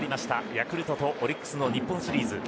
ヤクルトとオリックスの日本シリーズ。